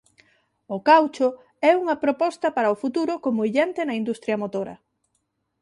O caucho é unha proposta para o futuro como illante na industria motora.